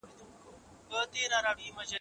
زه کولای سم واښه راوړم؟!